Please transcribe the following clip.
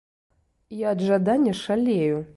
Я ад жадання шалею.